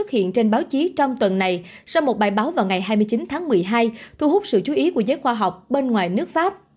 phát hiện trên báo chí trong tuần này sau một bài báo vào ngày hai mươi chín tháng một mươi hai thu hút sự chú ý của giới khoa học bên ngoài nước pháp